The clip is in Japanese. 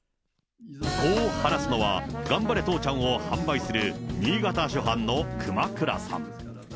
こう話すのは、がんばれ父ちゃんを販売する新潟酒販の熊倉さん。